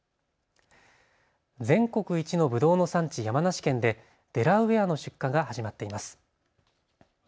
全国一のブドウの産地、山梨県でデラウエアの出荷が始まっています。